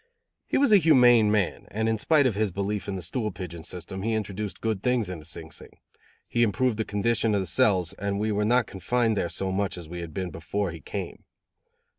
He was a humane man, and in spite of his belief in the stool pigeon system, he introduced good things into Sing Sing. He improved the condition of the cells and we were not confined there so much as we had been before he came.